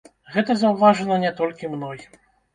Гэта заўважана не толькі мной.